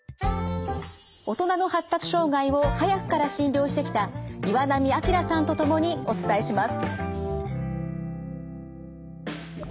大人の発達障害を早くから診療してきた岩波明さんと共にお伝えします。